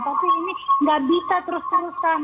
tapi ini nggak bisa terus terusan